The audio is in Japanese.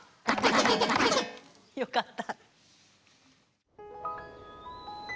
よかった。